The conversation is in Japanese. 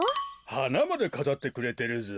はなまでかざってくれてるぞ。